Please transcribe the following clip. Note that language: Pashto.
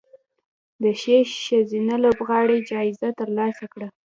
د ښې ښځینه لوبغاړې جایزه ترلاسه کړه